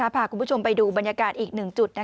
พาคุณผู้ชมไปดูบรรยากาศอีกหนึ่งจุด